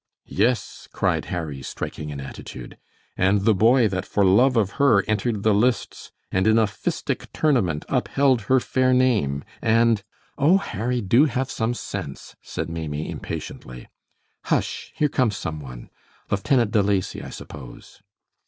"Yes," cried Harry, striking an attitude, "and the boy that for love of her entered the lists, and in a fistic tournament upheld her fair name, and " "Oh, Harry, do have some sense!" said Maimie, impatiently. "Hush, here comes some one; Lieutenant De Lacy, I suppose."